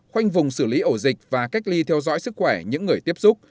khoanh vùng xử lý ổ dịch và cách ly theo dõi sức khỏe những người tiếp xúc